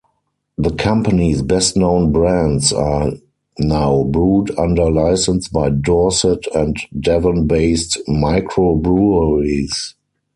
The company's best-known brands are now brewed under licence by Dorset and Devon-based micro-breweries.